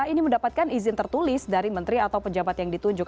ini mendapatkan izin tertulis dari menteri atau pejabat yang ditunjuk